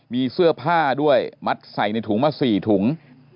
มีเสื้อผ้าด้วยมัดใส่ในถุงมา๔ถุง